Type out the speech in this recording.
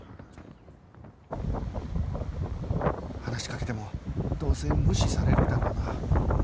話しかけてもどうせ無視されるだろうな